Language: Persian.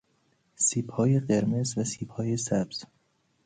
سیب های قرمز و سیب های سبز